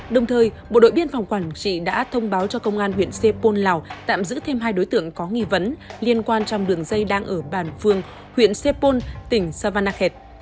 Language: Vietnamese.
đồng thời bộ đội biên phòng quản trị đã thông báo cho công an huyện xe pol lào tạm giữ thêm hai đối tượng có nghi vấn liên quan trong đường dây đang ở bàn phương huyện xe pol tỉnh savannakhet